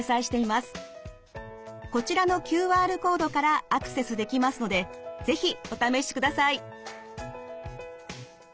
こちらのＱＲコードからアクセスできますので是非お試しください。